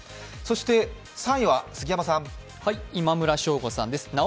そして３位は杉山さん。今村翔吾さんです。